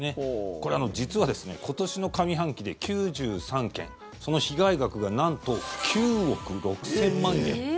これ、実は今年の上半期で９３件その被害額がなんと９億６０００万円。